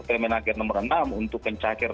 pemenangkir nomor enam untuk pencakar